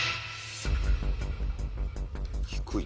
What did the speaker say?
低い。